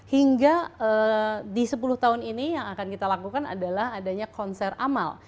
hingga di sepuluh tahun ini yang akan kita lakukan adalah adanya konser amal